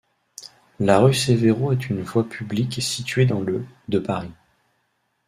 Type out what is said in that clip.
La rue Severo est une voie publique située dans le de Paris.